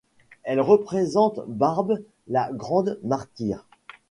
Elle représente Barbe la grande martyre.